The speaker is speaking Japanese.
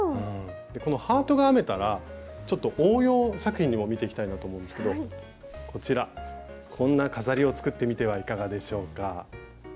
このハートが編めたらちょっと応用作品も見ていきたいなと思うんですけどこちらこんな飾りを作ってみてはいかがでしょうか。